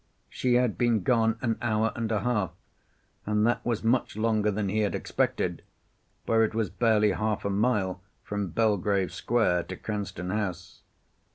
She had been gone an hour and a half, and that was much longer than he had expected, for it was barely half a mile from Belgrave Square to Cranston House.